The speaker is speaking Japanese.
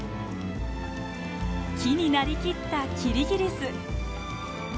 木になりきったキリギリス。